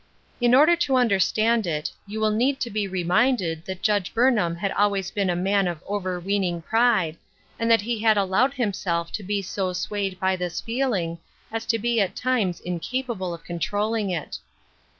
In order to understand it, you will need to be reminded that Judge Burnham had always been a man of overweening pride, and that he had allowed himself to be so swayed by this feeling as to be at times incapable of controlling it.